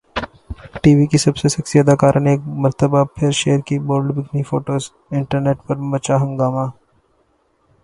T V کی سب سے سیکسی اداکارہ نے ایک مرتبہ پھر شیئر کی بولڈ بکنی فوٹوز ، انٹرنیٹ پر مچا ہنگامہ